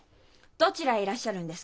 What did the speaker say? どちらへいらっしゃるんですか？